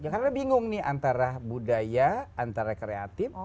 karena bingung nih antara budaya antara kreatif